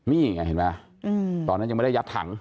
นี่ไงเห็นไหมตอนนั้นยังไม่ได้ยัดถัง